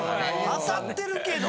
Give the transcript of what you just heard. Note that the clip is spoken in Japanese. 当たってるけど！